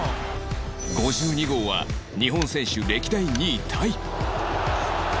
５２号は日本選手歴代２位タイ